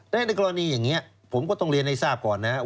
และในกรณีอย่างนี้ผมก็ต้องเรียนให้ทราบก่อนนะครับ